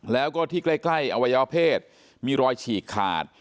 แล้วก็ที่ใกล้อวัยวเพศมีรอยฉีกขาด